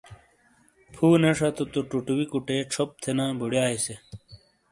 پھو نے شتو تو ٹوٹوے کوٹے چھوپ تھینا بڑایاے سے۔